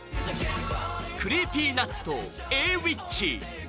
ＣｒｅｅｐｙＮｕｔｓとＡｗｉｃｈ。